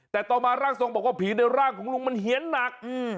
แต่ต่อมาร่างทรงบอกว่าผีในร่างของลุงมันเฮียนหนัก